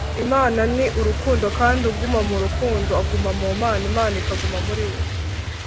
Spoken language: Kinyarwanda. Imana ni urukundo, kandi uguma mu rukundo aguma mu Mana, Imana ikaguma muri we.